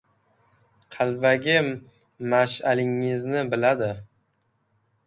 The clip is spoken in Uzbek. Qalbaki mash’alligingizni biladi.